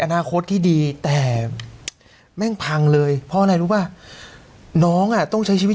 อนาคตที่ดีแต่แม่งพังเลยเพราะอะไรรู้ป่ะน้องอ่ะต้องใช้ชีวิต